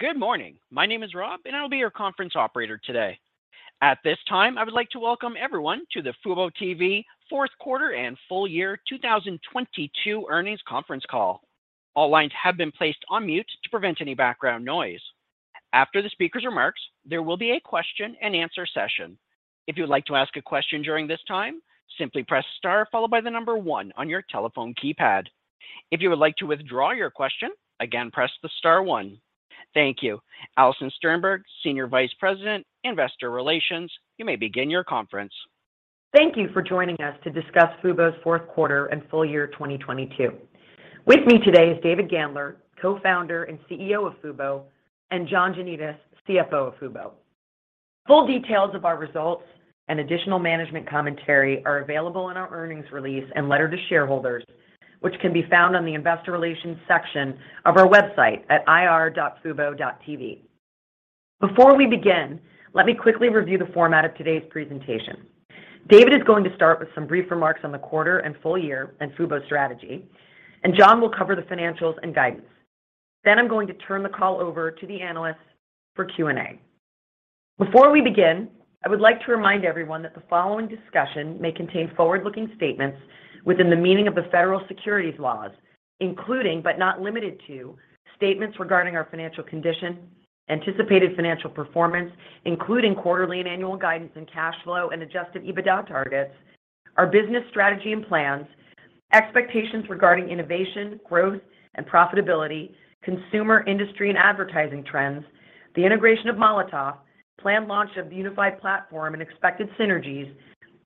Good morning. My name is Rob, I'll be your conference operator today. At this time, I would like to welcome everyone to the fuboTV fourth quarter and full year 2022 earnings conference call. All lines have been placed on mute to prevent any background noise. After the speaker's remarks, there will be a question and answer session. If you would like to ask a question during this time, simply press star followed by one on your telephone keypad. If you would like to withdraw your question, again, press the star one. Thank you. Alison Sternberg, Senior Vice President, Investor Relations, fuboTV, you may begin your conference. Thank you for joining us to discuss Fubo's fourth quarter and full year 2022. With me today is David Gandler, Co-founder and CEO of Fubo, and John Janedis, CFO of Fubo. Full details of our results and additional management commentary are available in our earnings release and letter to shareholders, which can be found on the investor relations section of our website at ir.fubo.tv. Before we begin, let me quickly review the format of today's presentation. David is going to start with some brief remarks on the quarter and full year and Fubo's strategy, and John will cover the financials and guidance. I'm going to turn the call over to the analysts for Q&A. Before we begin, I would like to remind everyone that the following discussion may contain forward-looking statements within the meaning of the Federal Securities laws, including, but not limited to, statements regarding our financial condition, anticipated financial performance, including quarterly and annual guidance and cash flow and adjusted EBITDA targets, our business strategy and plans, expectations regarding innovation, growth, and profitability, consumer industry and advertising trends, the integration of Molotov, planned launch of unified platform and expected synergies,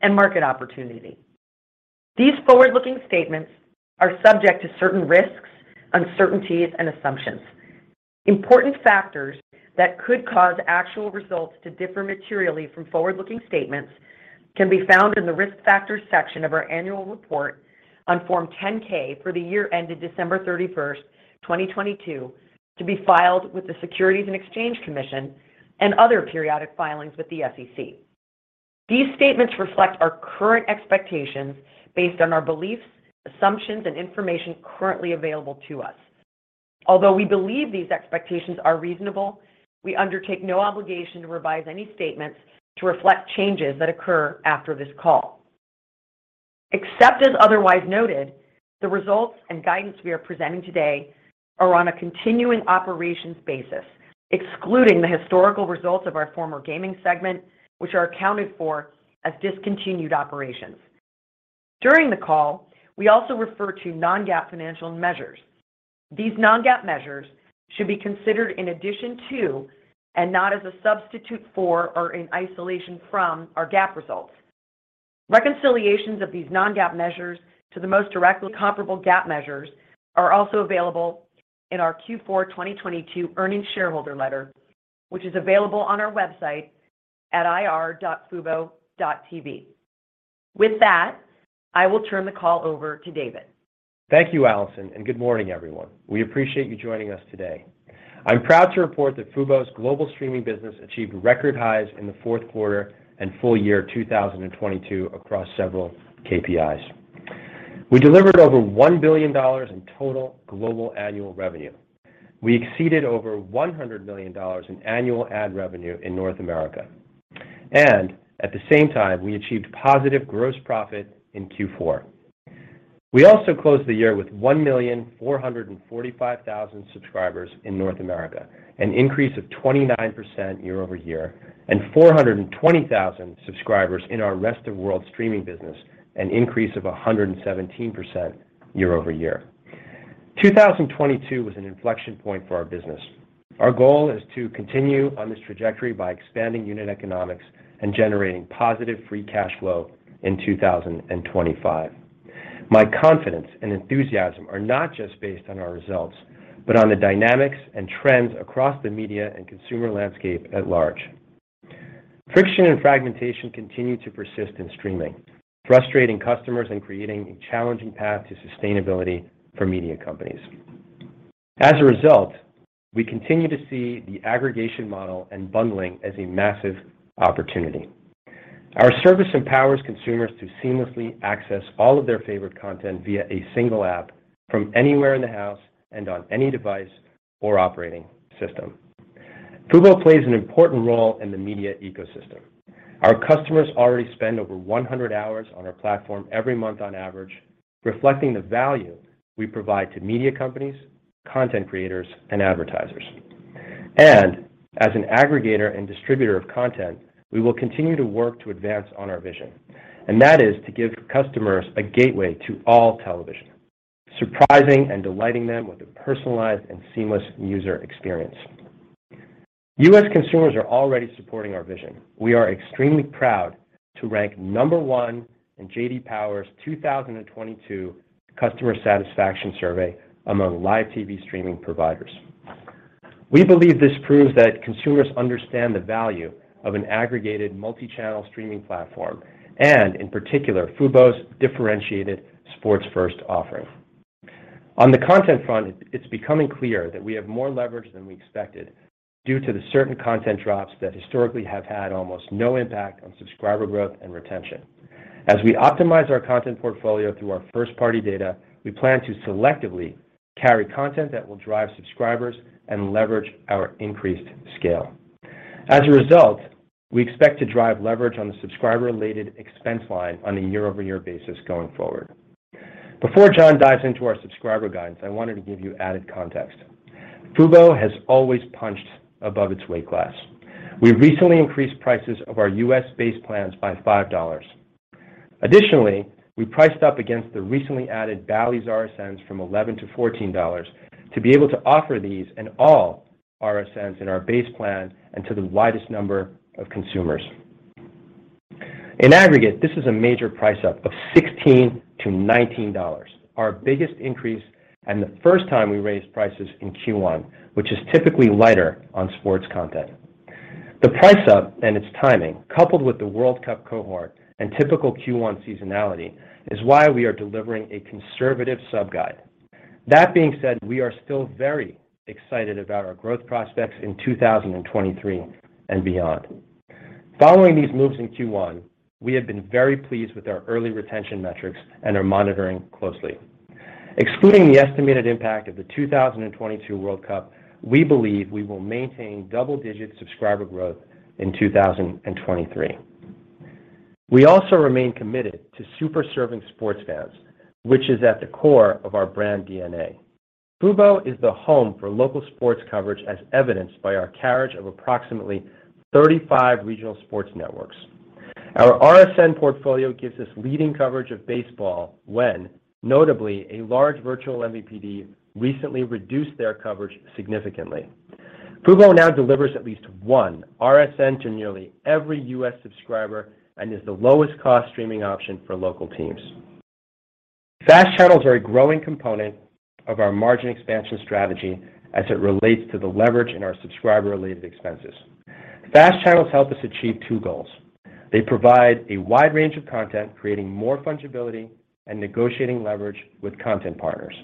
and market opportunity. These forward-looking statements are subject to certain risks, uncertainties and assumptions. Important factors that could cause actual results to differ materially from forward-looking statements can be found in the Risk Factors section of our annual report on Form 10-K for the year ended December 31st, 2022, to be filed with the Securities and Exchange Commission and other periodic filings with the SEC. These statements reflect our current expectations based on our beliefs, assumptions, and information currently available to us. Although we believe these expectations are reasonable, we undertake no obligation to revise any statements to reflect changes that occur after this call. Except as otherwise noted, the results and guidance we are presenting today are on a continuing operations basis, excluding the historical results of our former gaming segment, which are accounted for as discontinued operations. During the call, we also refer to non-GAAP financial measures. These non-GAAP measures should be considered in addition to, and not as a substitute for or in isolation from, our GAAP results. Reconciliations of these non-GAAP measures to the most directly comparable GAAP measures are also available in our Q4 2022 earnings shareholder letter, which is available on our website at ir.fubo.tv. With that, I will turn the call over to David. Thank you, Alison. Good morning, everyone. We appreciate you joining us today. I'm proud to report that Fubo's global streaming business achieved record highs in the fourth quarter and full year 2022 across several KPIs. We delivered over $1 billion in total global annual revenue. We exceeded over $100 million in annual ad revenue in North America. At the same time, we achieved positive gross profit in Q4. We also closed the year with 1,445,000 subscribers in North America, an increase of 29% year-over-year, and 420,000 subscribers in our Rest of World streaming business, an increase of 117% year-over-year. 2022 was an inflection point for our business. Our goal is to continue on this trajectory by expanding unit economics and generating positive free cash flow in 2025. My confidence and enthusiasm are not just based on our results, but on the dynamics and trends across the media and consumer landscape at large. Friction and fragmentation continue to persist in streaming, frustrating customers and creating a challenging path to sustainability for media companies. As a result, we continue to see the aggregation model and bundling as a massive opportunity. Our service empowers consumers to seamlessly access all of their favorite content via a single app from anywhere in the house and on any device or operating system. Fubo plays an important role in the media ecosystem. Our customers already spend over 100 hours on our platform every month on average, reflecting the value we provide to media companies, content creators, and advertisers. As an aggregator and distributor of content, we will continue to work to advance on our vision, and that is to give customers a gateway to all television, surprising and delighting them with a personalized and seamless user experience. U.S. consumers are already supporting our vision. We are extremely proud to rank number one in J.D. Power's 2022 customer satisfaction survey among live TV streaming providers. We believe this proves that consumers understand the value of an aggregated multi-channel streaming platform, and in particular, Fubo's differentiated sports first offering. On the content front, it's becoming clear that we have more leverage than we expected due to the certain content drops that historically have had almost no impact on subscriber growth and retention. As we optimize our content portfolio through our first-party data, we plan to selectively carry content that will drive subscribers and leverage our increased scale. We expect to drive leverage on the subscriber-related expense line on a year-over-year basis going forward. Before John Janedis dives into our subscriber guidance, I wanted to give you added context. Fubo has always punched above its weight class. We recently increased prices of our U.S.-based plans by $5. We priced up against the recently added Bally Sports RSNs from $11-$14 to be able to offer these and all RSNs in our base plan and to the widest number of consumers. This is a major price up of $16-$19. Our biggest increase and the first time we raised prices in Q1, which is typically lighter on sports content. The price up and its timing, coupled with the World Cup cohort and typical Q1 seasonality, is why we are delivering a conservative sub-guide. That being said, we are still very excited about our growth prospects in 2023 and beyond. Following these moves in Q1, we have been very pleased with our early retention metrics and are monitoring closely. Excluding the estimated impact of the 2022 World Cup, we believe we will maintain double-digit subscriber growth in 2023. We also remain committed to super serving sports fans, which is at the core of our brand DNA. Fubo is the home for local sports coverage as evidenced by our carriage of approximately 35 regional sports networks. Our RSN portfolio gives us leading coverage of baseball when, notably, a large virtual MVPD recently reduced their coverage significantly. Fubo now delivers at least one RSN to nearly every U.S. subscriber and is the lowest-cost streaming option for local teams. FAST channels are a growing component of our margin expansion strategy as it relates to the leverage in our subscriber-related expenses. FAST channels help us achieve two goals. They provide a wide range of content, creating more fungibility and negotiating leverage with content partners.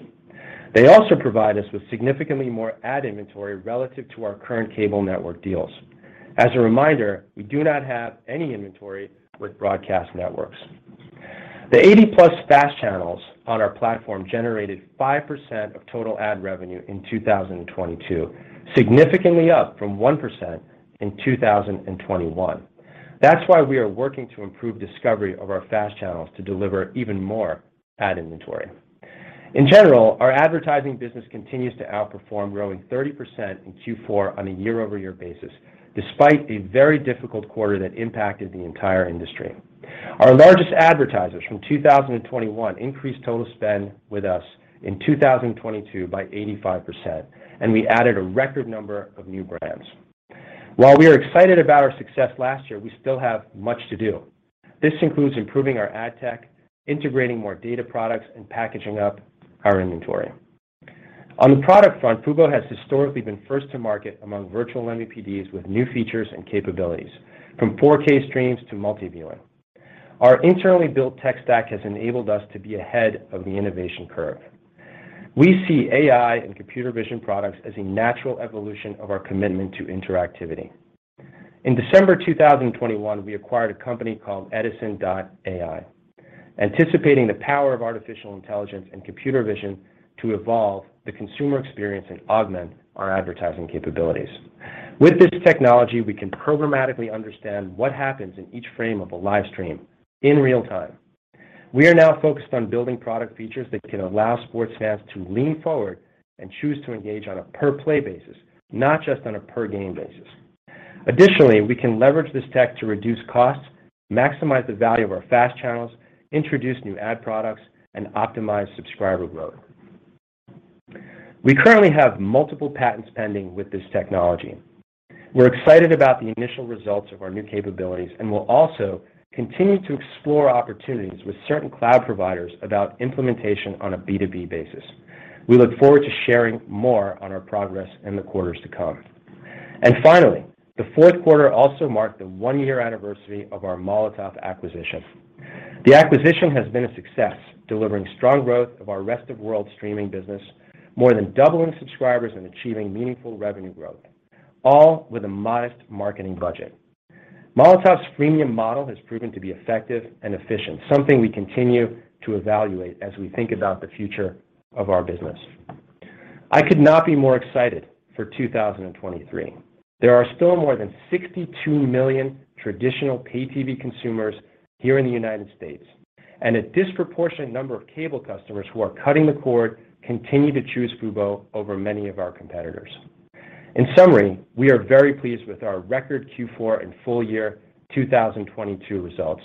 They also provide us with significantly more ad inventory relative to our current cable network deals. As a reminder, we do not have any inventory with broadcast networks. The 80+ FAST channels on our platform generated 5% of total ad revenue in 2022, significantly up from 1% in 2021. That's why we are working to improve discovery of our FAST channels to deliver even more ad inventory. In general, our advertising business continues to outperform, growing 30% in Q4 on a year-over-year basis, despite a very difficult quarter that impacted the entire industry. Our largest advertisers from 2021 increased total spend with us in 2022 by 85%, and we added a record number of new brands. While we are excited about our success last year, we still have much to do. This includes improving our ad tech, integrating more data products, and packaging up our inventory. On the product front, Fubo has historically been first to market among vMVPDs with new features and capabilities, from 4K streams to multi-viewing. Our internally built tech stack has enabled us to be ahead of the innovation curve. We see AI and computer vision products as a natural evolution of our commitment to interactivity. In December 2021, we acquired a company called Edisn.ai, anticipating the power of artificial intelligence and computer vision to evolve the consumer experience and augment our advertising capabilities. With this technology, we can programmatically understand what happens in each frame of a live stream in real time. We are now focused on building product features that can allow sports fans to lean forward and choose to engage on a per-play basis, not just on a per-game basis. Additionally, we can leverage this tech to reduce costs, maximize the value of our FAST channels, introduce new ad products, and optimize subscriber growth. We currently have multiple patents pending with this technology. We're excited about the initial results of our new capabilities, and we'll also continue to explore opportunities with certain cloud providers about implementation on a B2B basis. We look forward to sharing more on our progress in the quarters to come. Finally, the fourth quarter also marked the one-year anniversary of our Molotov acquisition. The acquisition has been a success, delivering strong growth of our Rest of World streaming business, more than doubling subscribers and achieving meaningful revenue growth, all with a modest marketing budget. Molotov's freemium model has proven to be effective and efficient, something we continue to evaluate as we think about the future of our business. I could not be more excited for 2023. There are still more than 62 million traditional pay TV consumers here in the United States. A disproportionate number of cable customers who are cutting the cord continue to choose Fubo over many of our competitors. In summary, we are very pleased with our record Q4 and full year 2022 results.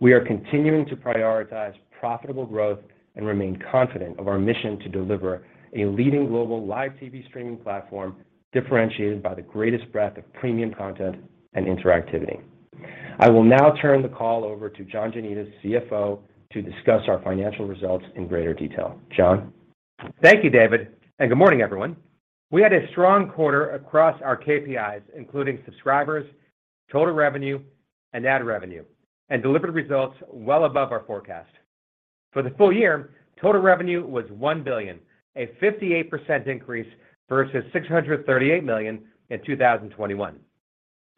We are continuing to prioritize profitable growth and remain confident of our mission to deliver a leading global live TV streaming platform differentiated by the greatest breadth of premium content and interactivity. I will now turn the call over to John Janedis, CFO, to discuss our financial results in greater detail. John? Thank you, David. Good morning, everyone. We had a strong quarter across our KPIs, including subscribers, total revenue, and ad revenue, and delivered results well above our forecast. For the full year, total revenue was $1 billion, a 58% increase versus $638 million in 2021.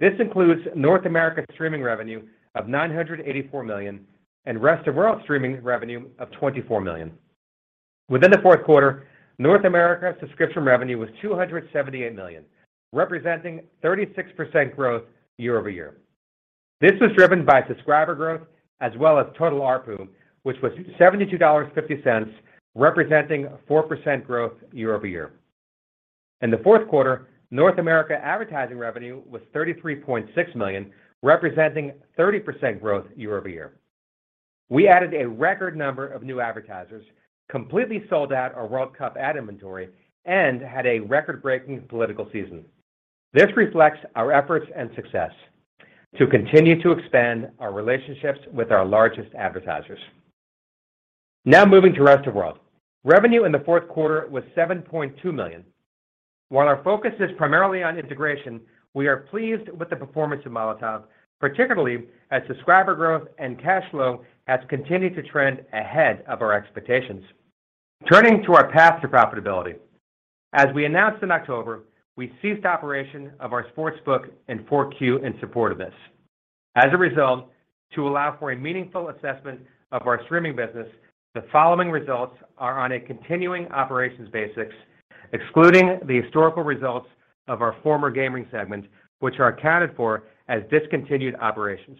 This includes North America streaming revenue of $984 million and Rest of World streaming revenue of $24 million. Within the fourth quarter, North America subscription revenue was $278 million, representing 36% growth year-over-year. This was driven by subscriber growth as well as total ARPU, which was $72.50, representing 4% growth year-over-year. In the fourth quarter, North America advertising revenue was $33.6 million, representing 30% growth year-over-year. We added a record number of new advertisers, completely sold out our World Cup ad inventory, and had a record-breaking political season. This reflects our efforts and success to continue to expand our relationships with our largest advertisers. Moving to Rest of World. Revenue in the fourth quarter was $7.2 million. While our focus is primarily on integration, we are pleased with the performance of Molotov, particularly as subscriber growth and cash flow has continued to trend ahead of our expectations. Turning to our path to profitability. As we announced in October, we ceased operation of our sports book in 4Q in support of this. As a result, to allow for a meaningful assessment of our streaming business, the following results are on a continuing operations basis, excluding the historical results of our former gaming segment, which are accounted for as discontinued operations.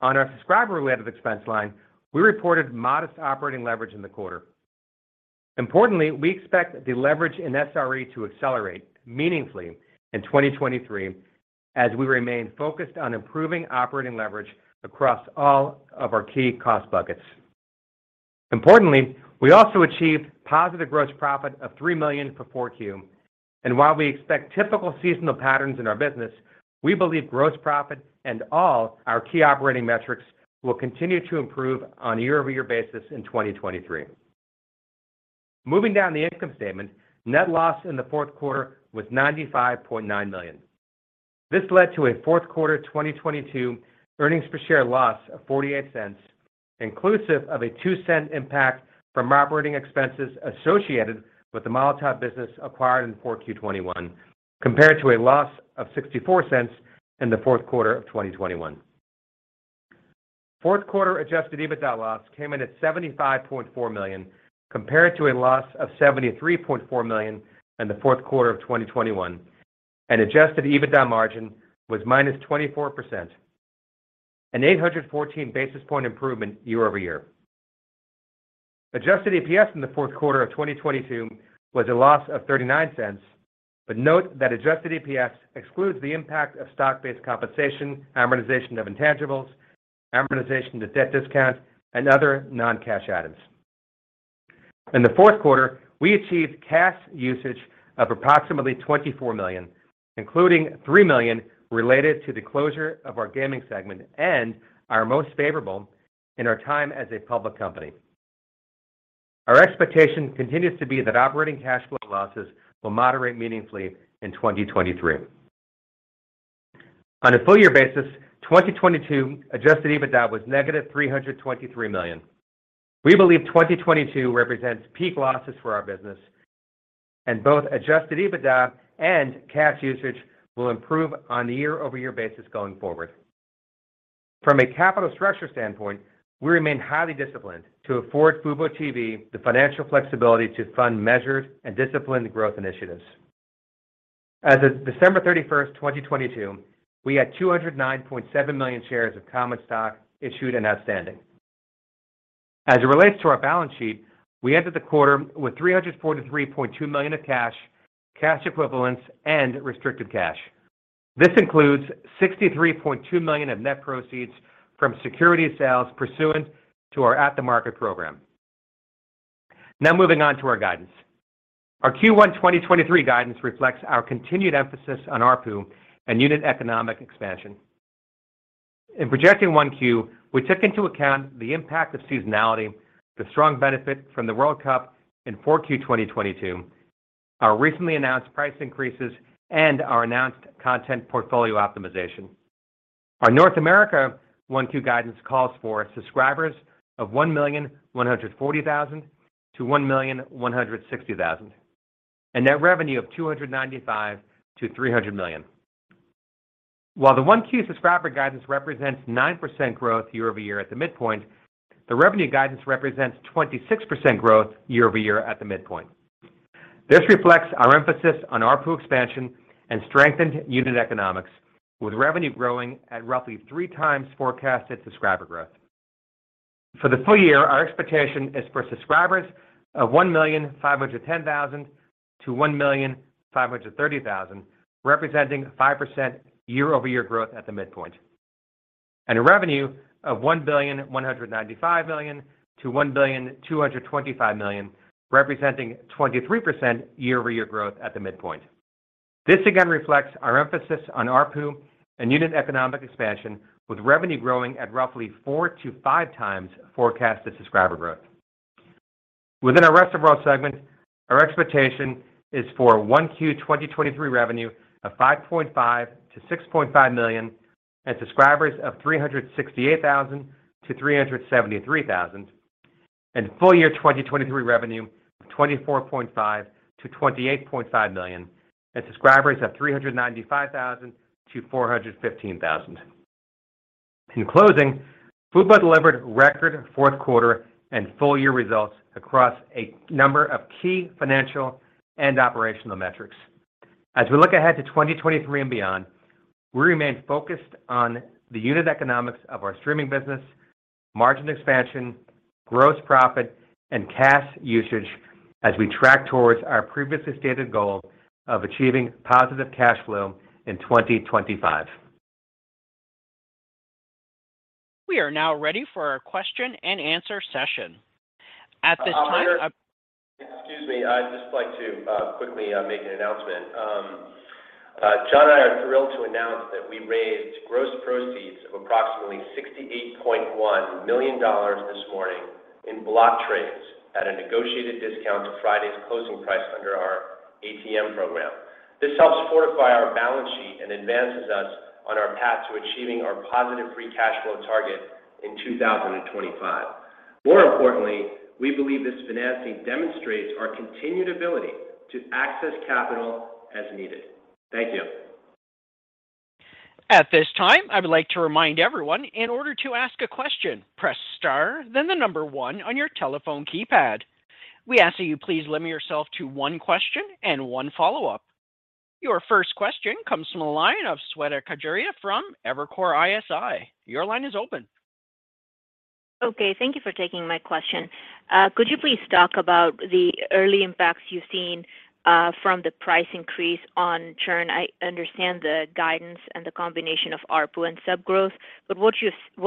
On our subscriber related expense line, we reported modest operating leverage in the quarter. Importantly, we expect the leverage in SRE to accelerate meaningfully in 2023 as we remain focused on improving operating leverage across all of our key cost buckets. Importantly, we also achieved positive gross profit of $3 million for 4Q. While we expect typical seasonal patterns in our business, we believe gross profit and all our key operating metrics will continue to improve on a year-over-year basis in 2023. Moving down the income statement, net loss in the fourth quarter was $95.9 million. This led to a fourth quarter 2022 earnings per share loss of $0.48, inclusive of a $0.02 impact from operating expenses associated with the Molotov business acquired in 4Q 2021, compared to a loss of $0.64 in the fourth quarter of 2021. Fourth quarter adjusted EBITDA loss came in at $75.4 million, compared to a loss of $73.4 million in the fourth quarter of 2021, and adjusted EBITDA margin was -24%, an 814 basis point improvement year-over-year. Adjusted EPS in the fourth quarter of 2022 was a loss of $0.39. Note that adjusted EPS excludes the impact of stock-based compensation, amortization of intangibles, amortization to debt discount, and other non-cash items. In the fourth quarter, we achieved cash usage of approximately $24 million, including $3 million related to the closure of our gaming segment and our most favorable in our time as a public company. Our expectation continues to be that operating cash flow losses will moderate meaningfully in 2023. On a full year basis, 2022 adjusted EBITDA was -$323 million. We believe 2022 represents peak losses for our business, and both adjusted EBITDA and cash usage will improve on a year-over-year basis going forward. From a capital structure standpoint, we remain highly disciplined to afford fuboTV the financial flexibility to fund measured and disciplined growth initiatives. As of December 31st, 2022, we had 209.7 million shares of common stock issued and outstanding. As it relates to our balance sheet, we ended the quarter with $343.2 million of cash equivalents, and restricted cash. This includes $63.2 million of net proceeds from security sales pursuant to our at-the-market program. Moving on to our guidance. Our Q1 2023 guidance reflects our continued emphasis on ARPU and unit economic expansion. In projecting 1Q, we took into account the impact of seasonality, the strong benefit from the World Cup in 4Q 2022, our recently announced price increases, and our announced content portfolio optimization. Our North America 1Q guidance calls for subscribers of 1,140,000 to 1,160,000, a net revenue of $295 million-$300 million. While the 1Q subscriber guidance represents 9% growth year-over-year at the midpoint, the revenue guidance represents 26% growth year-over-year at the midpoint. This reflects our emphasis on ARPU expansion and strengthened unit economics, with revenue growing at roughly three times forecasted subscriber growth. For the full year, our expectation is for subscribers of 1,510,000-1,530,000, representing 5% year-over-year growth at the midpoint, and a revenue of $1.195 billion-$1.225 billion, representing 23% year-over-year growth at the midpoint. This again reflects our emphasis on ARPU and unit economic expansion, with revenue growing at roughly four to five times forecasted subscriber growth. Within our Rest of World segment, our expectation is for 1Q 2023 revenue of $5.5 million-$6.5 million, and subscribers of 368,000-373,000. Full year 2023 revenue of $24.5 million-$28.5 million, and subscribers of 395,000-415,000. In closing, Fubo delivered record fourth quarter and full year results across a number of key financial and operational metrics. As we look ahead to 2023 and beyond, we remain focused on the unit economics of our streaming business, margin expansion, gross profit, and cash usage as we track towards our previously stated goal of achieving positive cash flow in 2025. We are now ready for our question-and-answer session. At this time, Excuse me. I'd just like to quickly make an announcement. John and I are thrilled to announce that we raised gross proceeds of approximately $68.1 million this morning in block trades at a negotiated discount to Friday's closing price under our ATM program. This helps fortify our balance sheet and advances us on our path to achieving our positive free cash flow target in 2025. More importantly, we believe this financing demonstrates our continued ability to access capital as needed. Thank you. At this time, I would like to remind everyone, in order to ask a question, press star then the number one on your telephone keypad. We ask that you please limit yourself to one question and one follow-up. Your first question comes from the line of Shweta Khajuria from Evercore ISI. Your line is open. Okay. Thank you for taking my question. Could you please talk about the early impacts you've seen from the price increase on churn? I understand the guidance and the combination of ARPU and sub growth, but what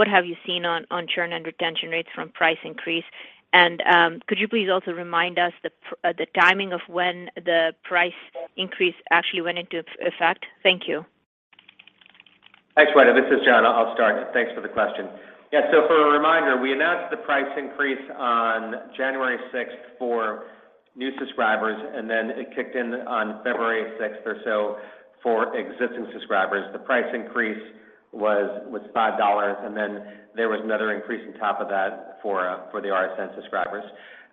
have you seen on churn and retention rates from price increase? Could you please also remind us the timing of when the price increase actually went into effect? Thank you. Thanks, Shweta. This is John. I'll start. Thanks for the question. Yeah. For a reminder, we announced the price increase on January 6th for new subscribers, and then it kicked in on February 6th or so for existing subscribers. The price increase was $5, and then there was another increase on top of that for the RSN subscribers.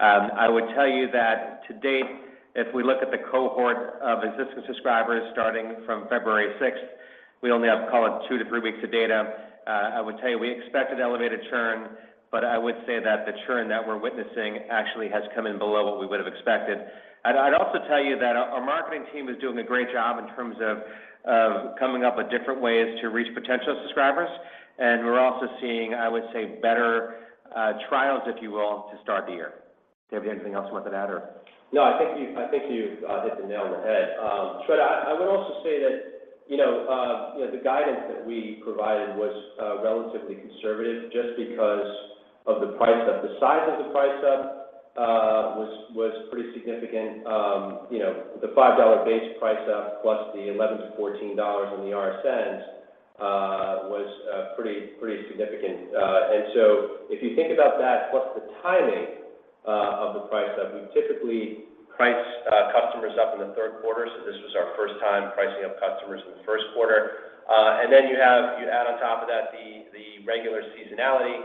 I would tell you that to date, if we look at the cohort of existing subscribers starting from February 6th, we only have, call it, two to three weeks of data. I would tell you, we expected elevated churn, but I would say that the churn that we're witnessing actually has come in below what we would have expected. I'd also tell you that our marketing team is doing a great job in terms of coming up with different ways to reach potential subscribers. We're also seeing, I would say, better, trials, if you will, to start the year. David, anything else you wanted to add or? No, I think you hit the nail on the head. Shweta, I would also say that, you know, the guidance that we provided was relatively conservative just because of the price up. The size of the price up was pretty significant. You know, the $5 base price up, plus the $11-$14 in the RSNs, was pretty significant. If you think about that plus the timing of the price up, we typically price customers up in the third quarter. This was our first time pricing up customers in the first quarter. Uh, and then you have-- you add on top of that the, the regular seasonality,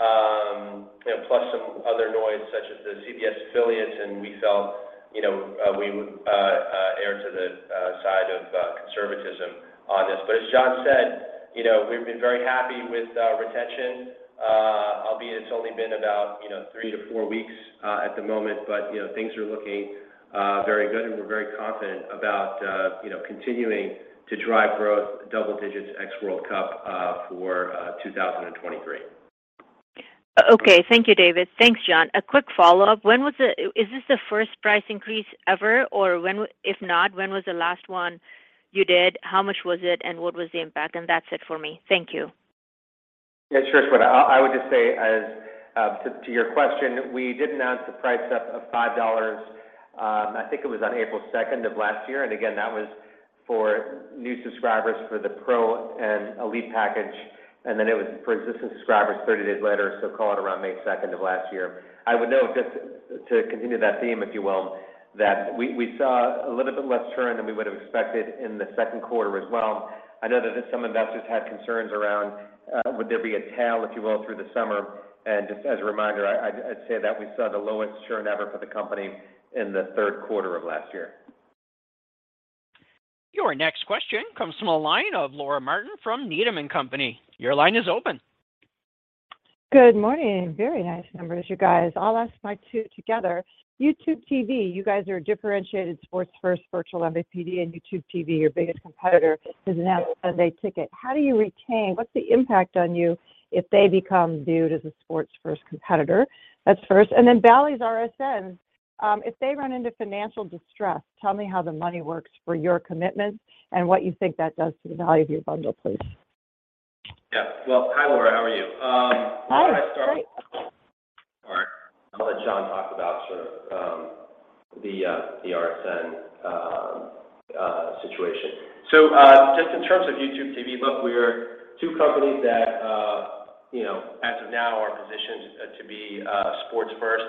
um, you know, plus some other noise such as the CBS affiliates, and we felt, you know, uh, we would, uh, air to the, uh, side of, uh, conservatism on this. But as John said, you know, we've been very happy with, uh, retention, uh, albeit it's only been about, you know, three to four weeks, uh, at the moment. But, you know, things are looking, uh, very good, and we're very confident about, uh, you know, continuing to drive growth double digits ex World Cup, uh, for, uh, 2023. Okay. Thank you, David. Thanks, John. A quick follow-up. When was the? Is this the first price increase ever? If not, when was the last one you did? How much was it, and what was the impact? That's it for me. Thank you. Sure, Shweta. I would just say as to your question, we did announce the price up of $5, I think it was on April 2nd of last year. Again, that was for new subscribers for the Pro and Elite package, and then it was for existing subscribers 30 days later, so call it around May 2nd of last year. I would note just to continue that theme, if you will, that we saw a little bit less churn than we would have expected in the second quarter as well. I know that some investors had concerns around would there be a tail, if you will, through the summer. Just as a reminder, I'd say that we saw the lowest churn ever for the company in the third quarter of last year. Your next question comes from the line of Laura Martin from Needham & Company. Your line is open. Good morning. Very nice numbers, you guys. I'll ask my two together. YouTube TV, you guys are a differentiated sports first virtual MVPD, and YouTube TV, your biggest competitor, has announced a Sunday Ticket. What's the impact on you if they become viewed as a sports first competitor? That's first. Bally's RSNs, if they run into financial distress, tell me how the money works for your commitment and what you think that does to the value of your bundle, please. Yeah. Well, hi, Laura. How are you? Hi. Great... I'll start with or I'll let John talk about the RSN situation. Just in terms of YouTube TV, look, we are two companies that, you know, as of now are positioned to be sports first.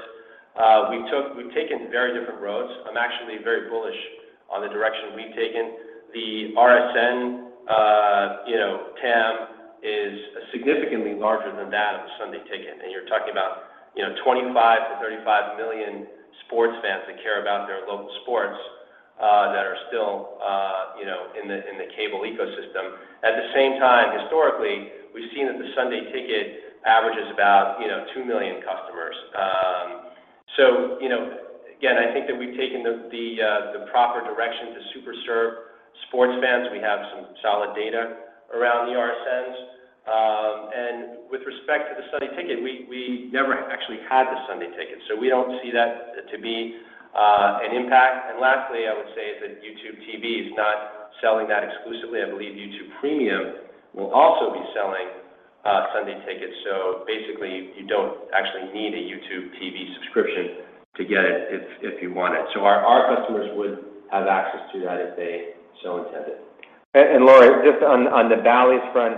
We've taken very different roads. I'm actually very bullish on the direction we've taken. The RSN, you know, TAM is significantly larger than that of a Sunday Ticket. You're talking about, you know, 25-35 million sports fans that care about their local sports, that are still, you know, in the cable ecosystem. At the same time, historically, we've seen that the Sunday Ticket averages about, you know, 2 million customers. Again, I think that we've taken the proper direction to super serve sports fans. We have some solid data around the RSNs. With respect to the Sunday Ticket, we never actually had the Sunday Ticket, so we don't see that to be an impact. Lastly, I would say is that YouTube TV is not selling that exclusively. I believe YouTube Premium will also be selling Sunday Tickets. Basically, you don't actually need a YouTube TV subscription to get it if you want it. Our customers would have access to that if they so intended. Lori, just on the Bally's front,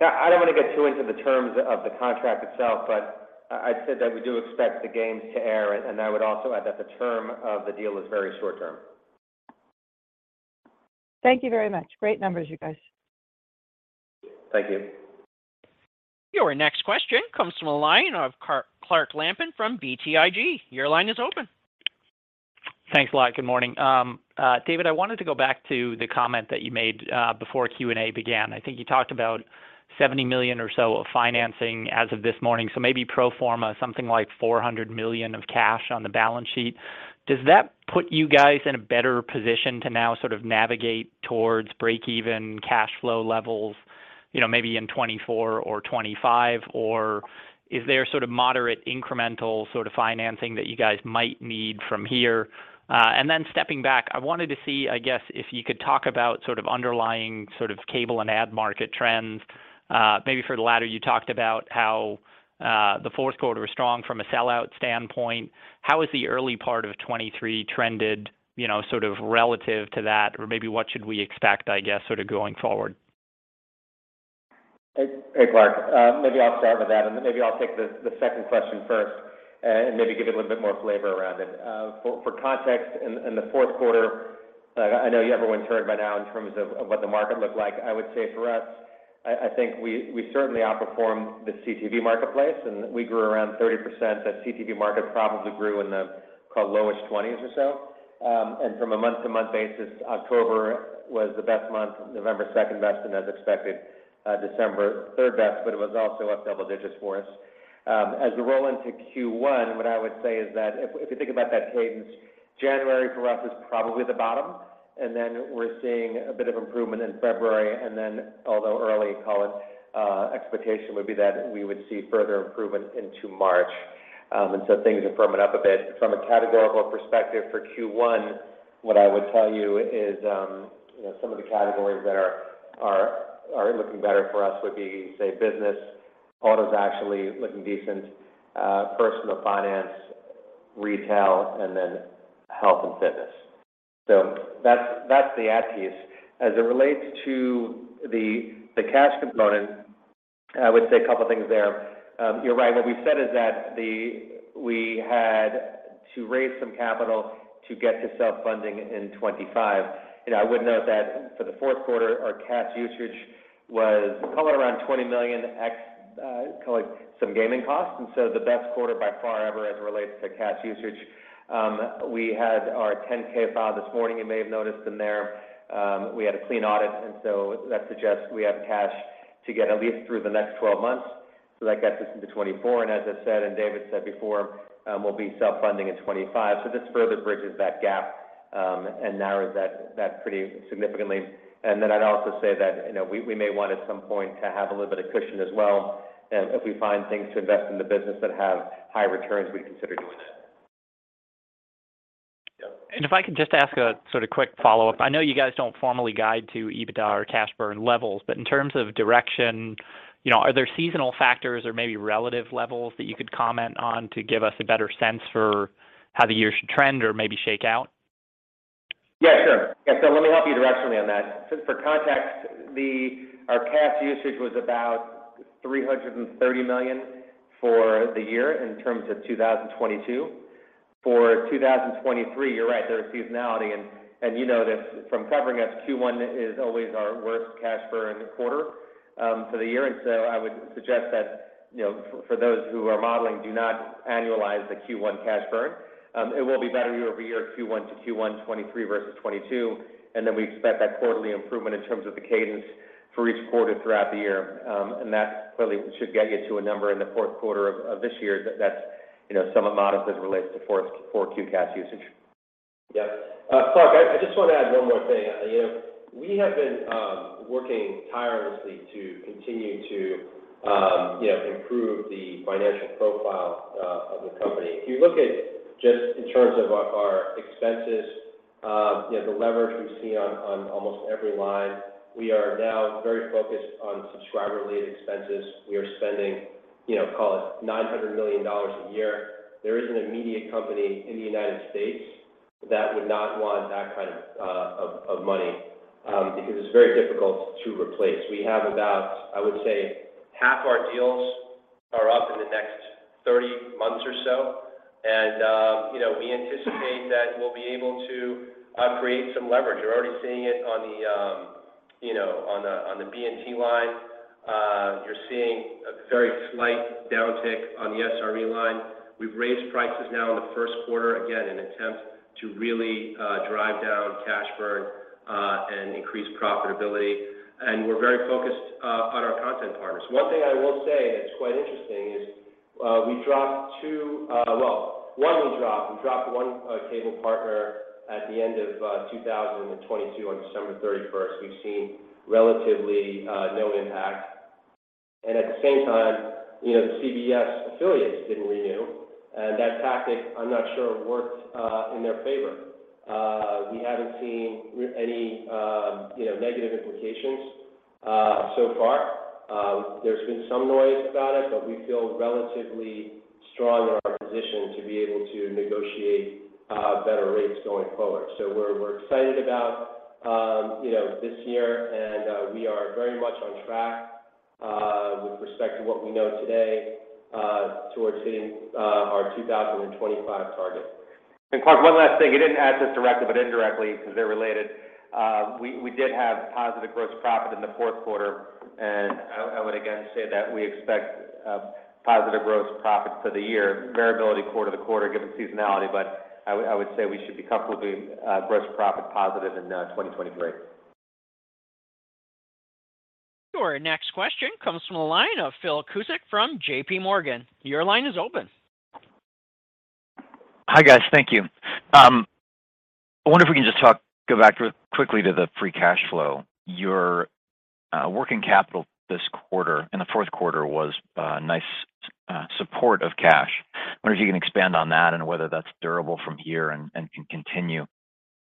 I don't wanna get too into the terms of the contract itself, but I said that we do expect the games to air, and I would also add that the term of the deal is very short term. Thank you very much. Great numbers, you guys. Thank you. Your next question comes from the line of Clark Lampen from BTIG. Your line is open. Thanks a lot. Good morning. David, I wanted to go back to the comment that you made before Q&A began. I think you talked about $70 million or so of financing as of this morning. Maybe pro forma something like $400 million of cash on the balance sheet. Does that put you guys in a better position to now sort of navigate towards breakeven cash flow levels, you know, maybe in 2024 or 2025? Is there sort of moderate incremental sort of financing that you guys might need from here? Then stepping back, I wanted to see, I guess, if you could talk about sort of underlying sort of cable and ad market trends. Maybe for the latter, you talked about how the fourth quarter was strong from a sellout standpoint. How has the early part of 2023 trended, you know, sort of relative to that? Maybe what should we expect, I guess, sort of going forward? Hey, Clark. Maybe I'll start with that, then maybe I'll take the second question first, and maybe give it a little bit more flavor around it. For context, in the fourth quarter, I know you have everyone turned by now in terms of what the market looked like. I would say for us, I think we certainly outperformed the CTV marketplace. We grew around 30%. That CTV market probably grew in the, call it, lowest 20s or so. From a month-to-month basis, October was the best month, November second best, as expected, December third best. It was also up double digits for us. As we roll into Q1, what I would say is that if you think about that cadence, January for us is probably the bottom. We're seeing a bit of improvement in February. Although early, call it, expectation would be that we would see further improvement into March. Things are firming up a bit. From a categorical perspective for Q1, what I would tell you is, you know, some of the categories that are looking better for us would be, say, business. Autos actually looking decent. Personal finance, retail, and then health and fitness. That's the ad piece. As it relates to the cash component, I would say a couple of things there. You're right. What we said is that we had to raise some capital to get to self-funding in 2025. You know, I would note that for the fourth quarter, our cash usage was, call it, around $20 million ex, call it, some gaming costs, the best quarter by far ever as it relates to cash usage. We had our 10-K file this morning. You may have noticed in there, we had a clean audit, that suggests we have cash to get at least through the next 12 months. That gets us into 2024. As I said, and David said before, we'll be self-funding in 2025. This further bridges that gap, and narrows that pretty significantly. I'd also say that, you know, we may want at some point to have a little bit of cushion as well. If we find things to invest in the business that have high returns, we'd consider doing that. Yeah. If I could just ask a sort of quick follow-up. I know you guys don't formally guide to EBITDA or cash burn levels, but in terms of direction, you know, are there seasonal factors or maybe relative levels that you could comment on to give us a better sense for how the year should trend or maybe shake out? Yeah, sure. Yeah. Let me help you directly on that. For context, our cash usage was about $330 million for the year in terms of 2022. For 2023, you're right, there is seasonality. You know this from covering us, Q1 is always our worst cash burn quarter for the year. I would suggest that, you know, for those who are modeling, do not annualize the Q1 cash burn. It will be better year-over-year Q1 to Q1 2023 versus 2022. We expect that quarterly improvement in terms of the cadence for each quarter throughout the year. That clearly should get you to a number in the fourth quarter of this year that's, you know, somewhat modest as it relates to fourth Q cash usage. Clark, I just wanna add one more thing. You know, we have been working tirelessly to continue to, you know, improve the financial profile of the company. If you look at just in terms of our expenses. You know, the leverage we see on almost every line. We are now very focused on subscriber-related expenses. We are spending, you know, call it $900 million a year. There isn't a media company in the United States that would not want that kind of money, because it's very difficult to replace. We have about, I would say, half our deals are up in the next 30 months or so, and, you know, we anticipate that we'll be able to create some leverage. You're already seeing it on the, you know, on the, on the BNT line. You're seeing a very slight downtick on the SRV line. We've raised prices now in the first quarter, again, in attempt to really drive down cash burn and increase profitability. We're very focused on our content partners. One thing I will say that's quite interesting is, we dropped two, well, one we dropped. We dropped one cable partner at the end of 2022 on December 31st. We've seen relatively no impact. At the same time, you know, the CBS affiliates didn't renew. That tactic, I'm not sure, worked in their favor. We haven't seen any, you know, negative implications so far. There's been some noise about it, but we feel relatively strong in our position to be able to negotiate, better rates going forward. We're, we're excited about, you know, this year, and we are very much on track, with respect to what we know today, towards hitting, our 2025 targets. Clark, one last thing. You didn't ask this directly, but indirectly, 'cause they're related. We did have positive gross profit in the fourth quarter, and I would again say that we expect positive gross profits for the year, variability quarter to quarter given seasonality. I would say we should be comfortably gross profit positive in 2023. Our next question comes from the line of Phil Cusick from JPMorgan. Your line is open. Hi, guys. Thank you. I wonder if we can just talk, go back re-quickly to the free cash flow. Your working capital this quarter, in the fourth quarter, was a nice support of cash. I wonder if you can expand on that and whether that's durable from here and can continue.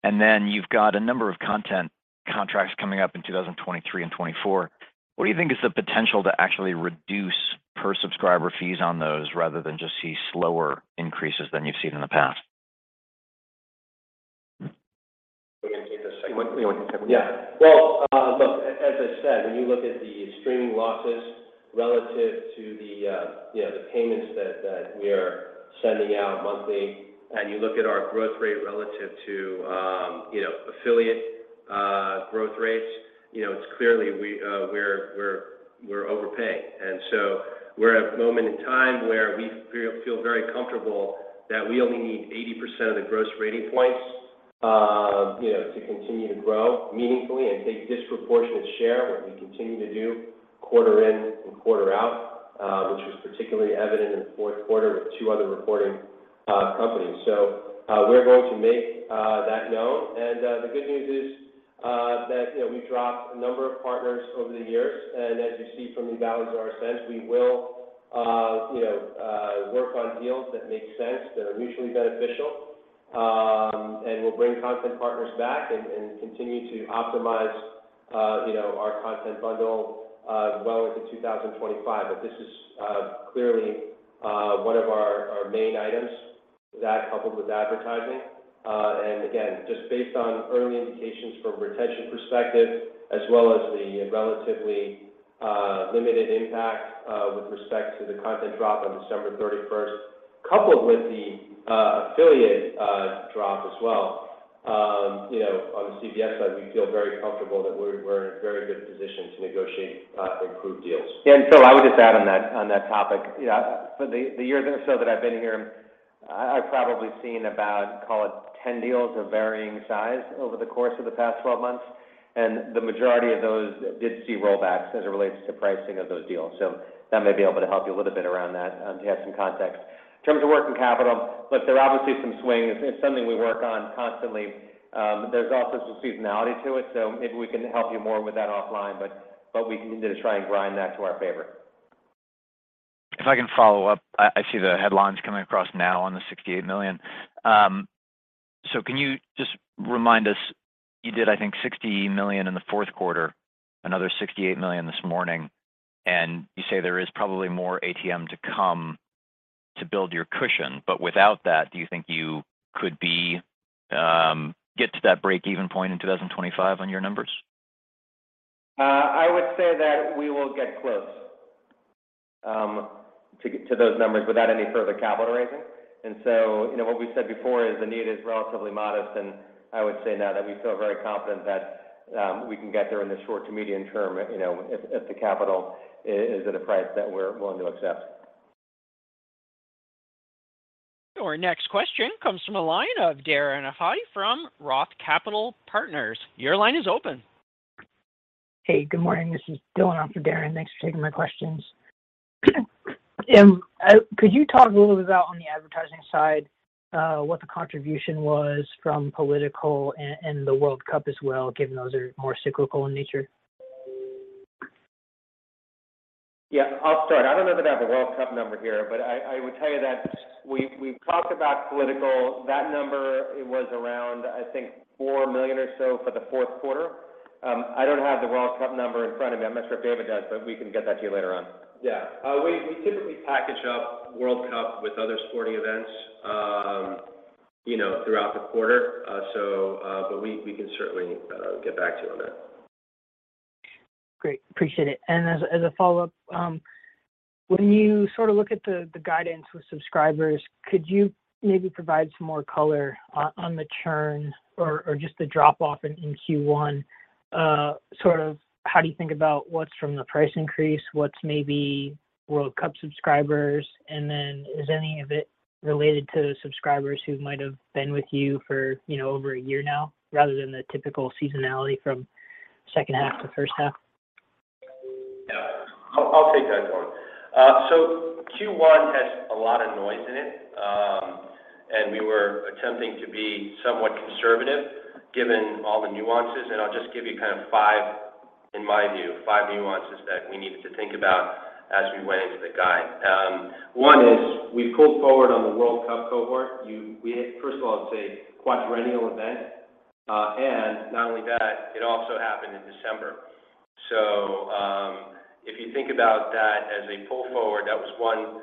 And then you've got a number of content contracts coming up in 2023 and 24. What do you think is the potential to actually reduce per subscriber fees on those rather than just see slower increases than you've seen in the past? You wanna take this? You want to take it? Well, look, as I said, when you look at the streaming losses relative to the, you know, the payments that we are sending out monthly, and you look at our growth rate relative to, you know, affiliate growth rates, you know, it's clearly we're overpaying. We're at a moment in time where we feel very comfortable that we only need 80% of the gross rating points, you know, to continue to grow meaningfully and take disproportionate share, what we continue to do quarter in and quarter out, which was particularly evident in the fourth quarter with two other reporting companies. We're going to make that known. The good news is that, you know, we've dropped a number of partners over the years. As you see from the balance of our spend, we will, you know, work on deals that make sense, that are mutually beneficial, and we'll bring content partners back and continue to optimize, you know, our content bundle, well into 2025. This is, clearly, one of our main items. That coupled with advertising. Again, just based on early indications from a retention perspective, as well as the relatively limited impact with respect to the content drop on December 31st, coupled with the affiliate drop as well, you know, on the CBS side, we feel very comfortable that we're in a very good position to negotiate improved deals. Yeah. Phil, I would just add on that, on that topic. You know, for the year or so that I've been here, I've probably seen about, call it 10 deals of varying size over the course of the past 12 months, and the majority of those did see rollbacks as it relates to pricing of those deals. That may be able to help you a little bit around that to add some context. In terms of working capital, look, there are obviously some swings. It's something we work on constantly. There's also some seasonality to it, so maybe we can help you more with that offline. But we continue to try and grind that to our favor. If I can follow up, I see the headlines coming across now on the $68 million. Can you just remind us, you did I think $60 million in the fourth quarter, another $68 million this morning, and you say there is probably more ATM to come to build your cushion. Without that, do you think you could be get to that break-even point in 2025 on your numbers? I would say that we will get close, to those numbers without any further capital raising. You know, what we've said before is the need is relatively modest, and I would say now that we feel very confident that, we can get there in the short to medium term, you know, if, the capital is at a price that we're willing to accept. Our next question comes from the line of Darren Aftahi from Roth Capital Partners. Your line is open. Hey, good morning. This is Dylan on for Darren. Thanks for taking my questions. Could you talk a little bit about on the advertising side, what the contribution was from political and the World Cup as well, given those are more cyclical in nature? Yeah. I'll start. I don't know that I have the World Cup number here, but I would tell you that we've talked about political. That number, it was around, I think, $4 million or so for the fourth quarter. I don't have the World Cup number in front of me. I'm not sure if David does, but we can get that to you later on. We typically package up World Cup with other sporting events, you know, throughout the quarter. We can certainly get back to you on that. Great. Appreciate it. As a follow-up, when you sort of look at the guidance with subscribers, could you maybe provide some more color on the churn or just the drop-off in Q1? Sort of how do you think about what's from the price increase, what's maybe World Cup subscribers? Is any of it related to subscribers who might have been with you for, you know, over a year now, rather than the typical seasonality from second half to first half? Yeah. I'll take that one. Q1 has a lot of noise in it. We were attempting to be somewhat conservative given all the nuances. I'll just give you in my view, five nuances that we needed to think about as we went into the guide. One is we pulled forward on the World Cup cohort. First of all, it's a quadrennial event. Not only that, it also happened in December. If you think about that as a pull forward, that was one,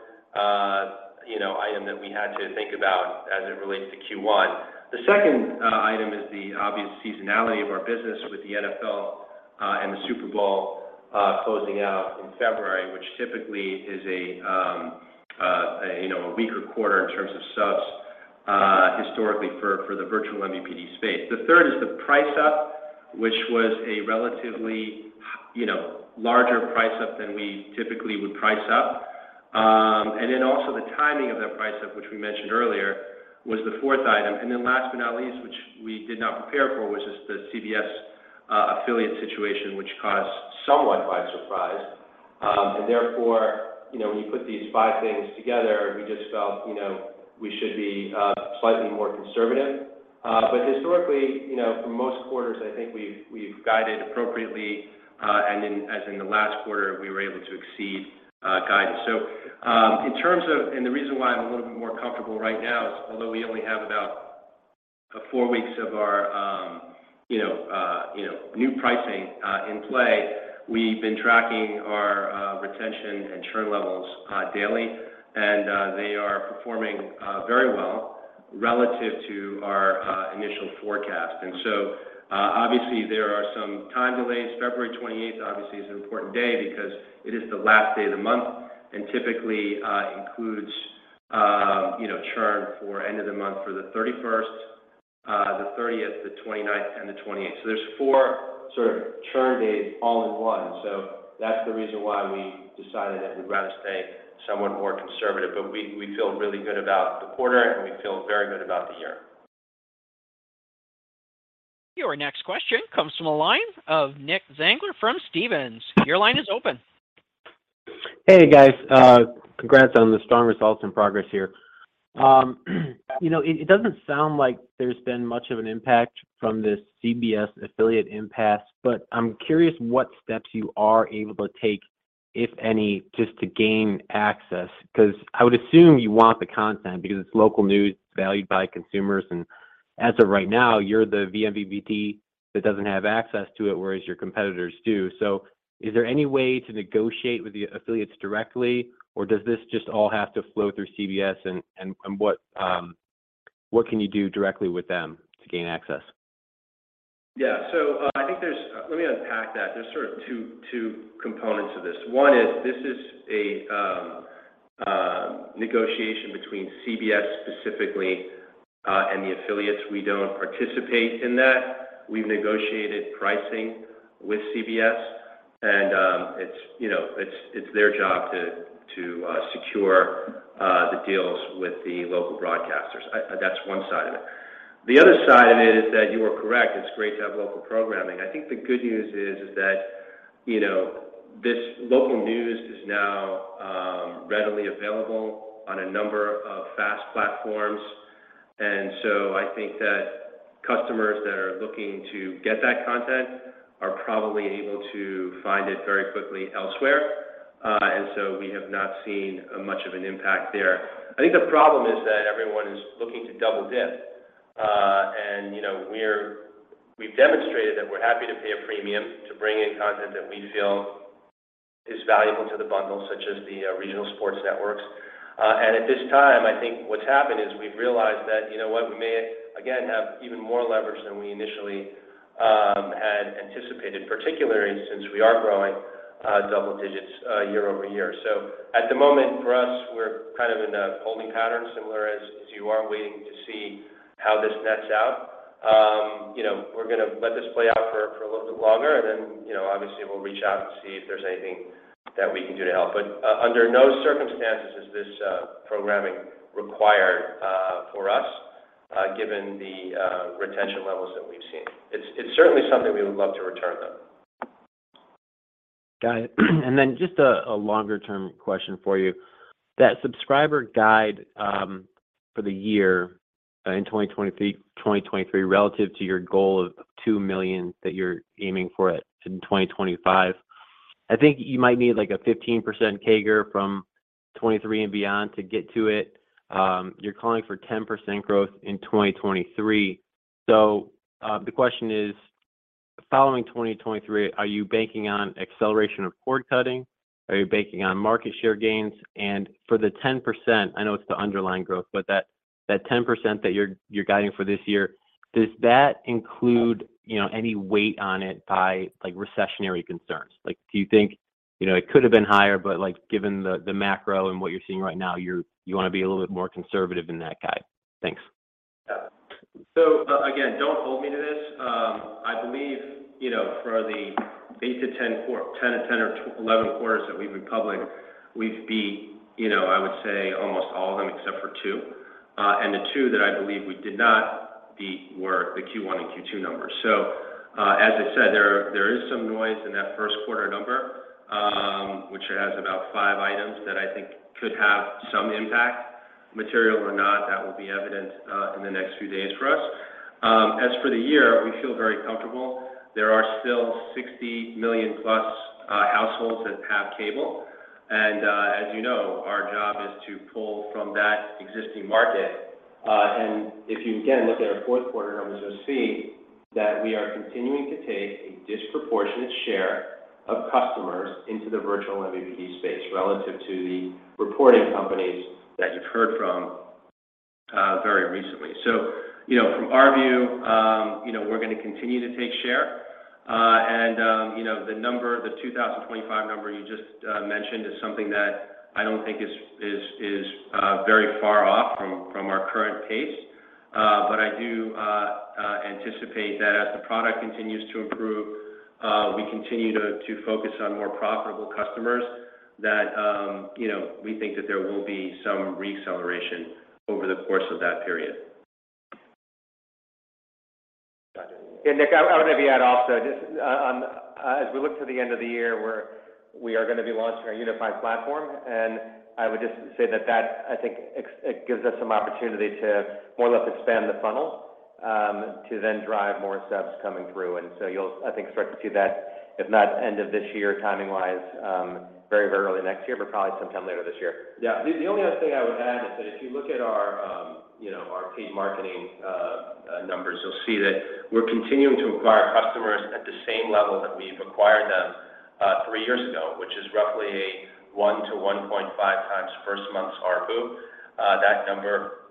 you know, item that we had to think about as it relates to Q1. The second item is the obvious seasonality of our business with the NFL and the Super Bowl closing out in February, which typically is a, you know, a weaker quarter in terms of subs historically for the virtual MVPD space. The third is the price up, which was a relatively, you know, larger price up than we typically would price up. Also the timing of that price up, which we mentioned earlier, was the fourth item. Last but not least, which we did not prepare for, was just the CBS affiliate situation, which caught us somewhat by surprise. Therefore, you know, when you put these five things together, we just felt, you know, we should be slightly more conservative. Historically, you know, for most quarters, I think we've guided appropriately, as in the last quarter, we were able to exceed guidance. In terms of... The reason why I'm a little bit more comfortable right now is although we only have about four weeks of our, you know, new pricing in play, we've been tracking our retention and churn levels daily. They are performing very well relative to our initial forecast. Obviously, there are some time delays. February 28th, obviously, is an important day because it is the last day of the month, and typically, includes, you know, churn for end of the month for the 31st, the 30th, the 29th and the 28th. There's four sort of churn days all in one. That's the reason why we decided that we'd rather stay somewhat more conservative. We feel really good about the quarter, and we feel very good about the year. Your next question comes from the line of Nick Zangler from Stephens. Your line is open. Hey, guys. Congrats on the strong results and progress here. You know, it doesn't sound like there's been much of an impact from this CBS affiliate impasse, but I'm curious what steps you are able to take, if any, just to gain access. 'Cause I would assume you want the content because it's local news, it's valued by consumers, and as of right now, you're the vMVPD that doesn't have access to it, whereas your competitors do. Is there any way to negotiate with the affiliates directly, or does this just all have to flow through CBS? What can you do directly with them to gain access? Yeah. I think there's. Let me unpack that. There's sort of two components to this. One is this is a negotiation between CBS specifically and the affiliates. We don't participate in that. We've negotiated pricing with CBS, and, it's, you know, it's their job to secure the deals with the local broadcasters. That's one side of it. The other side of it is that you are correct. It's great to have local programming. I think the good news is that, you know, this local news is now readily available on a number of FAST platforms. I think that customers that are looking to get that content are probably able to find it very quickly elsewhere. We have not seen much of an impact there. I think the problem is that everyone is looking to double-dip. You know, we've demonstrated that we're happy to pay a premium to bring in content that we feel is valuable to the bundle, such as the Regional Sports Networks. At this time, I think what's happened is we've realized that, you know what, we may again have even more leverage than we initially had anticipated, particularly since we are growing double digits year-over-year. At the moment, for us, we're kind of in a holding pattern, similar as you are, waiting to see how this nets out. You know, we're gonna let this play out for a little bit longer, and then, you know, obviously, we'll reach out and see if there's anything that we can do to help. Under no circumstances is this programming required for us given the retention levels that we've seen. It's certainly something we would love to return, though. Got it. Just a longer-term question for you. That subscriber guide, for the year in 2023 relative to your goal of 2 million that you're aiming for it in 2025. I think you might need like a 15% CAGR from 2023 and beyond to get to it. You're calling for 10% growth in 2023. The question is, following 2023, are you banking on acceleration of cord cutting? Are you banking on market share gains? For the 10%, I know it's the underlying growth, but that 10% that you're guiding for this year, does that include, you know, any weight on it by like recessionary concerns? Like, do you think, you know, it could have been higher, but like given the macro and what you're seeing right now, you wanna be a little bit more conservative in that guide? Thanks. Yeah. again, don't hold me to this. I believe, you know, for the eight to 10 or 11 quarters that we've been public, we've beat, you know, I would say almost all of them except for two. The two that I believe we did not beat were the Q1 and Q2 numbers. as I said, there is some noise in that first quarter number, which has about five items that I think could have some impact. Material or not, that will be evident in the next few days for us. as for the year, we feel very comfortable. There are still 60 million+ households that have cable. as you know, our job is to pull from that existing market. If you, again, look at our fourth quarter numbers, you'll see that we are continuing to take a disproportionate share of customers into the vMVPD space relative to the reporting companies that you've heard from, very recently. You know, from our view, you know, we're gonna continue to take share. You know, the 2025 number you just mentioned is something that I don't think is very far off from our current pace. I do anticipate that as the product continues to improve, we continue to focus on more profitable customers that, you know, we think that there will be some re-acceleration over the course of that period. Got it. Nick, I wanna add also just as we look to the end of the year, we are gonna be launching our unified platform, and I would just say that I think it gives us some opportunity to more or less expand the funnel, to then drive more subs coming through. You'll, I think, start to see that, if not end of this year timing-wise, very early next year, but probably sometime later this year. Yeah. The only other thing I would add is that if you look at our, you know, our paid marketing numbers, you'll see that we're continuing to acquire customers at the same level that we've acquired them three years ago, which is roughly a one to 1.5x first month's ARPU. That number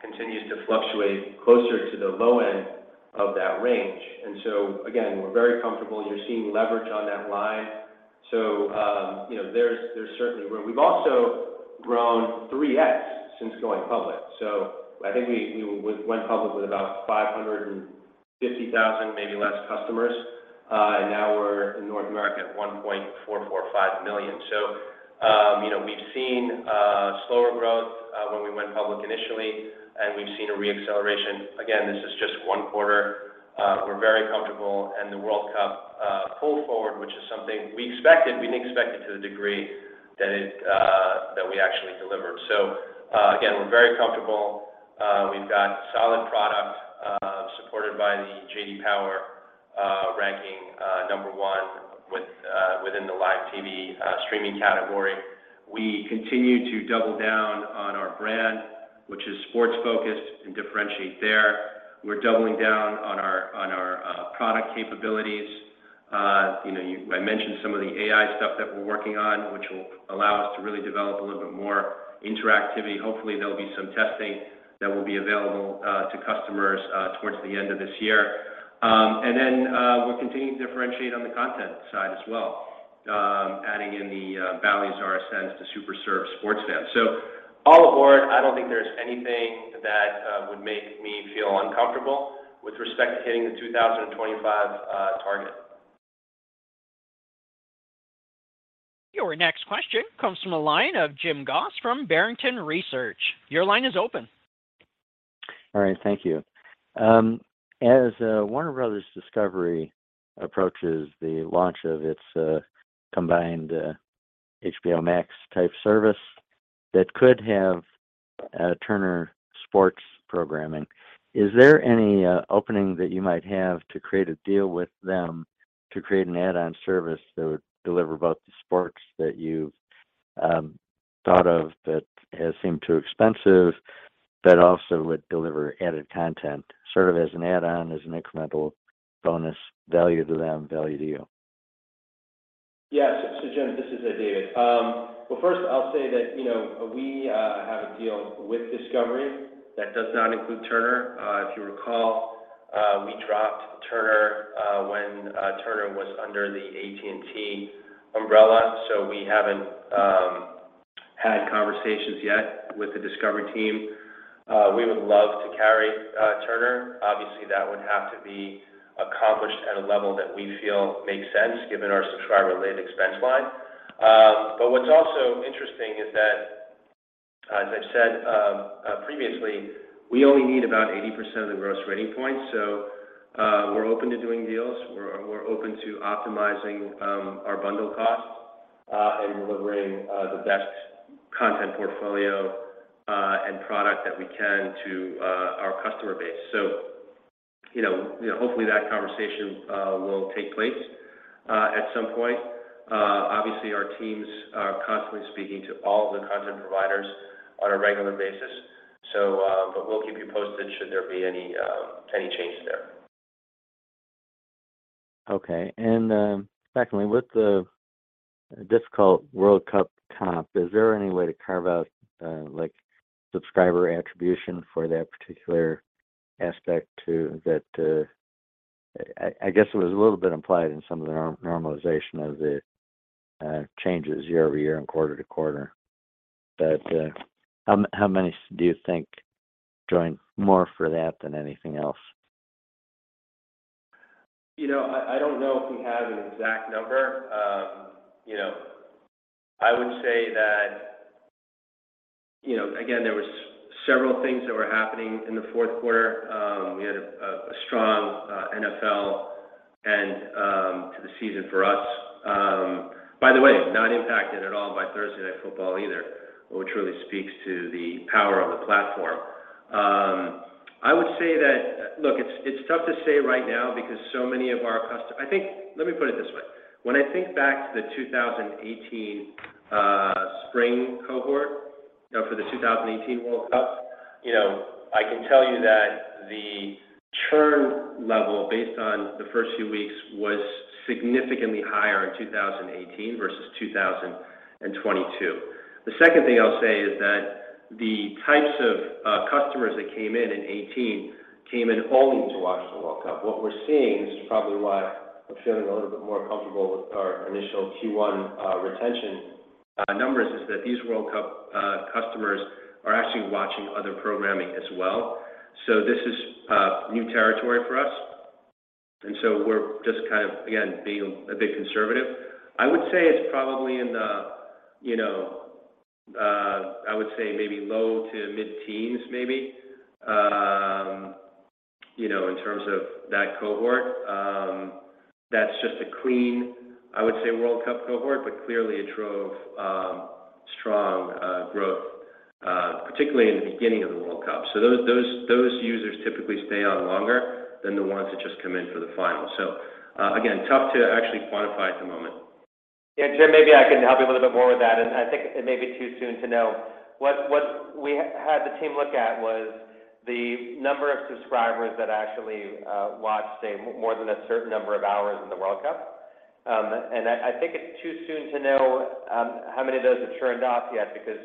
continues to fluctuate closer to the low end of that range. Again, we're very comfortable. You're seeing leverage on that line. You know, there's certainly room. We've also grown 3x since going public. I think we went public with about 550,000, maybe less customers. And now we're in North America at 1.445 million. You know, we've seen slower growth when we went public initially, and we've seen a re-acceleration. Again, this is just one quarter. We're very comfortable. The World Cup pulled forward, which is something we expected. We didn't expect it to the degree that it that we actually delivered. Again, we're very comfortable. We've got solid product supported by the J.D. Power ranking number one with within the live TV streaming category. We continue to double down on our brand, which is sports-focused and differentiate there. We're doubling down on our, on our product capabilities. You know, I mentioned some of the AI stuff that we're working on, which will allow us to really develop a little bit more interactivity. Hopefully, there'll be some testing that will be available to customers towards the end of this year. We're continuing to differentiate on the content side as well, adding in the Bally's RSNs to super serve sports fans. All aboard, I don't think there's anything that would make me feel uncomfortable with respect to hitting the 2025 target. Your next question comes from the line of Jim Goss from Barrington Research. Your line is open. All right. Thank you. As Warner Bros. Discovery approaches the launch of its combined HBO Max-type service that could have Turner Sports programming, is there any opening that you might have to create a deal with them to create an add-on service that would deliver both the sports that you've thought of that has seemed too expensive, but also would deliver added content sort of as an add-on, as an incremental bonus value to them, value to you? Yes. Jim, this is David. Well, first I'll say that, you know, we have a deal with Discovery that does not include Turner. If you recall, we dropped Turner when Turner was under the AT&T umbrella. We haven't had conversations yet with the Discovery team. We would love to carry Turner. Obviously, that would have to be accomplished at a level that we feel makes sense given our subscriber-related expense line. But what's also interesting is that, as I've said previously, we only need about 80% of the gross rating points. We're open to doing deals. We're open to optimizing our bundle costs and delivering the best content portfolio and product that we can to our customer base. You know, hopefully, that conversation, will take place, at some point. Obviously, our teams are constantly speaking to all the content providers on a regular basis. We'll keep you posted should there be any change there. Okay. Secondly, with the difficult World Cup comp, is there any way to carve out like subscriber attribution for that particular aspect to that. I guess it was a little bit implied in some of the normalization of the changes year-over-year and quarter-to-quarter. How many do you think joined more for that than anything else? You know, I don't know if we have an exact number. You know, I would say that, you know, again, there was several things that were happening in the fourth quarter. We had a strong NFL end to the season for us. By the way, not impacted at all by Thursday Night Football either, which really speaks to the power of the platform. I would say that. Look, it's tough to say right now because so many of our Let me put it this way. When I think back to the 2018 spring cohort, you know, for the 2018 World Cup, you know, I can tell you that the churn level based on the first few weeks was significantly higher in 2018 versus 2022. The second thing I'll say is that the types of customers that came in in 2018 came in only to watch the World Cup. What we're seeing, this is probably why I'm feeling a little bit more comfortable with our initial Q1 retention numbers, is that these World Cup customers are actually watching other programming as well. This is new territory for us. We're just kind of, again, being a bit conservative. I would say it's probably in the, you know, I would say maybe low to mid-teens maybe, you know, in terms of that cohort. That's just a clean, I would say, World Cup cohort, but clearly it drove strong growth particularly in the beginning of the World Cup. Those users typically stay on longer than the ones that just come in for the final. Again, tough to actually quantify at the moment. Yeah. Jim, maybe I can help you a little bit more with that. I think it may be too soon to know. What we had the team look at was the number of subscribers that actually watched, say, more than a certain number of hours in the FIFA World Cup. I think it's too soon to know how many of those have churned off yet because,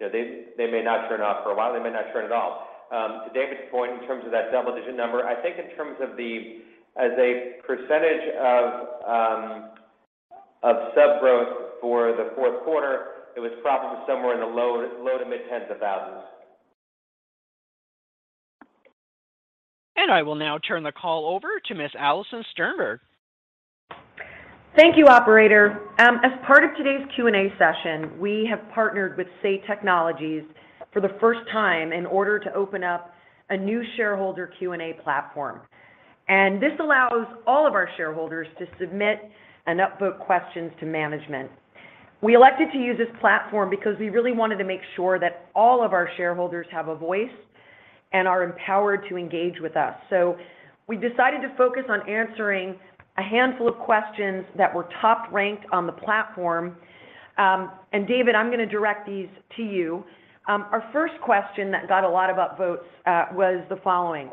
you know, they may not churn off for a while, they may not churn at all. To David's point, in terms of that double-digit number, I think in terms of the as a percentage of of sub growth for the fourth quarter, it was probably somewhere in the low to mid tens of thousands. I will now turn the call over to Ms. Alison Sternberg. Thank you, operator. As part of today's Q&A session, we have partnered with Say Technologies for the first time in order to open up a new shareholder Q&A platform. This allows all of our shareholders to submit and upvote questions to management. We elected to use this platform because we really wanted to make sure that all of our shareholders have a voice and are empowered to engage with us. We decided to focus on answering a handful of questions that were top-ranked on the platform. David, I'm gonna direct these to you. Our first question that got a lot of upvotes, was the following: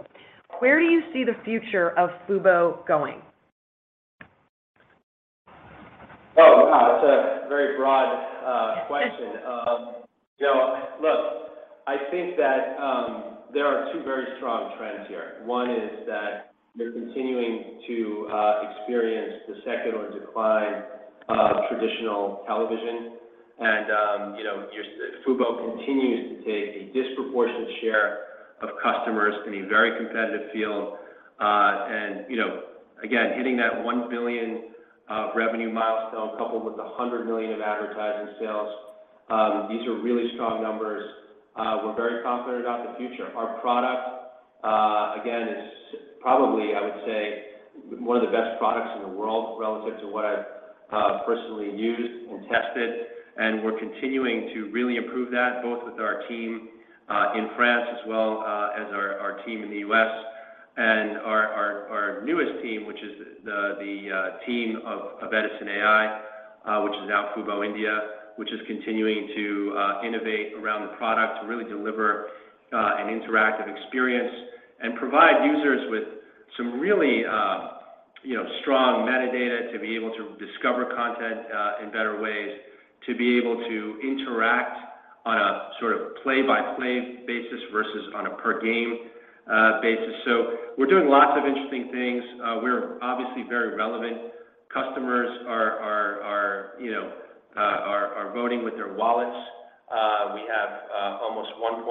Where do you see the future of Fubo going? Oh, wow. That's a very broad question. You know, look, I think that there are two very strong trends here. One is that we're continuing to experience the secular decline of traditional television. You know, Fubo continues to take a disproportionate share of customers in a very competitive field. You know, again, hitting that $1 billion revenue milestone coupled with $100 million of advertising sales, these are really strong numbers. We're very confident about the future. Our product, again, is probably, I would say, one of the best products in the world relative to what I've personally used and tested. We're continuing to really improve that both with our team in France as well, as our team in the U.S. Our newest team, which is the team of Edisn.ai, which is now Fubo India, which is continuing to innovate around the product to really deliver an interactive experience and provide users with some really, you know, strong metadata to be able to discover content in better ways, to be able to interact on a sort of play-by-play basis versus on a per game basis. We're doing lots of interesting things. We're obviously very relevant. Customers are, you know, voting with their wallets. We have almost 1.5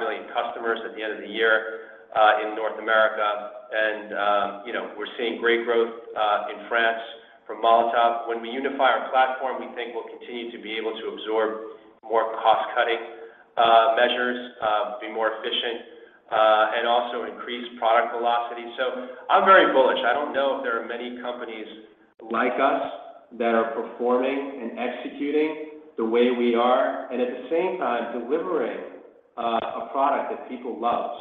million customers at the end of the year in North America. You know, we're seeing great growth in France from Molotov. When we unify our platform, we think we continue to be able to absorb more cost-cutting measures, be more efficient, and also increase product velocity. I'm very bullish. I don't know if there are many companies like us that are performing and executing the way we are, and at the same time delivering a product that people love.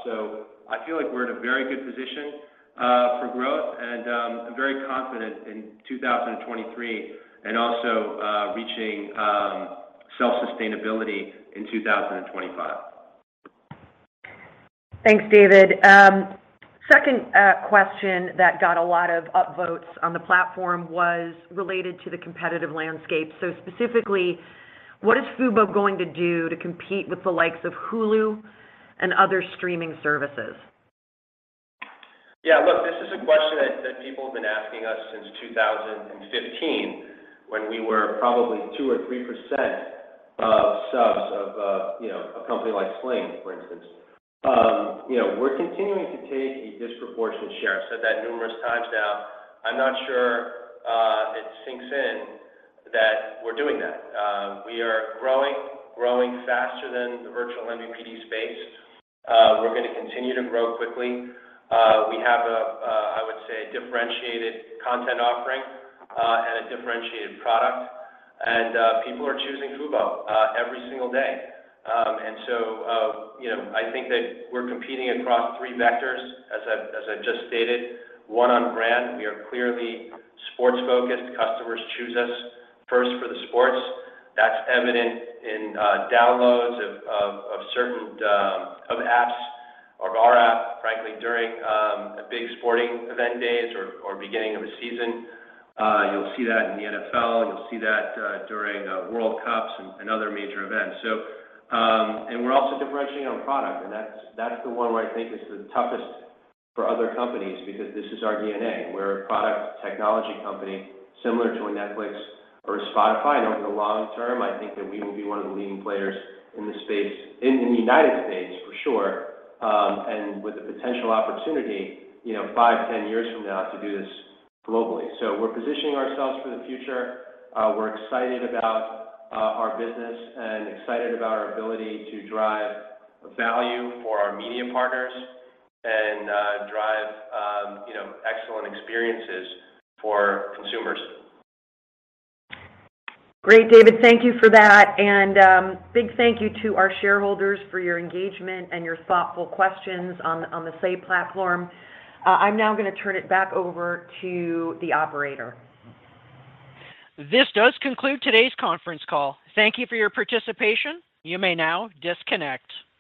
I feel like we're in a very good position for growth, and I'm very confident in 2023 and also reaching self-sustainability in 2025. Thanks, David. second, question that got a lot of upvotes on the platform was related to the competitive landscape. Specifically, what is Fubo going to do to compete with the likes of Hulu and other streaming services? Look, this is a question that people have been asking us since 2015 when we were probably 2% or 3% of subs of, you know, a company like Sling, for instance. You know, we're continuing to take a disproportionate share. I've said that numerous times now. I'm not sure it sinks in that we're doing that. We are growing faster than the virtual MVPD space. We're gonna continue to grow quickly. We have a, I would say, differentiated content offering, and a differentiated product, and people are choosing Fubo every single day. You know, I think that we're competing across three vectors as I've just stated. One, on brand. We are clearly sports-focused. Customers choose us first for the sports. That's evident in downloads of certain apps or of our app, frankly, during a big sporting event days or beginning of a season. You'll see that in the NFL, and you'll see that during World Cups and other major events. And we're also differentiating on product, and that's the one where I think is the toughest for other companies because this is our DNA. We're a product technology company similar to a Netflix or a Spotify. Over the long term, I think that we will be one of the leading players in the space in the United States for sure, and with the potential opportunity, you know, five, 10 years from now to do this globally. We're positioning ourselves for the future. We're excited about our business and excited about our ability to drive value for our media partners and drive, you know, excellent experiences for consumers. Great, David. Thank you for that. Big thank you to our shareholders for your engagement and your thoughtful questions on the SAY platform. I'm now gonna turn it back over to the operator. This does conclude today's conference call. Thank you for your participation. You may now disconnect.